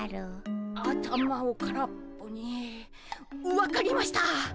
分かりました。